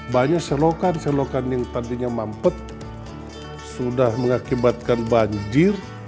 banyak selokan selokan yang tadinya mampet sudah mengakibatkan banjir